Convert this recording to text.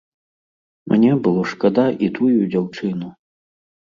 Мне было шкада і тую дзяўчыну.